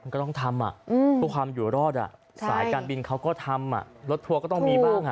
ก็ต้องทำเพื่อความอยู่รอดสายการบินเขาก็ทำรถทัวร์ก็ต้องมีบ้าง